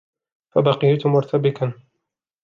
فَبَقِيت مُرْتَبِكًا